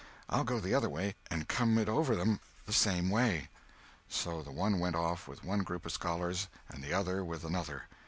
I'll go the other way and come it over 'em the same way." So the one went off with one group of scholars, and the other with another.